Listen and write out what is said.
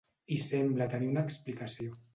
I sembla tenir una explicació.